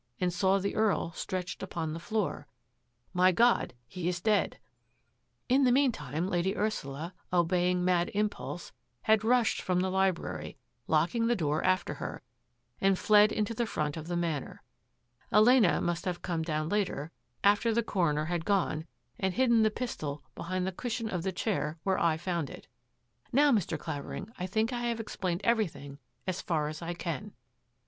nd saw the Earl stretched upon the floor :* My God, he is dead !'" In the meantime Lady Ursula, obeying mad impulse, had rushed from the library, locking the door after her, and fled into the front of the Manor. Elena must have come down later, after the coroner had gone, and hidden the pistol behind the cushion of the chair where I found it. Now, Mr. Clavering, I think I have explained everything as far as I can."